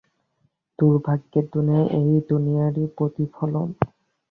দুর্ভাগ্যের দুনিয়া এই দুনিয়ারই প্রতিফলন।